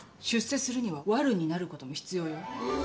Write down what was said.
出世するには、悪になることも必要よ。